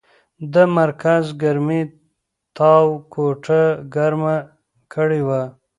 د مرکز ګرمۍ تاو کوټه ګرمه کړې وه.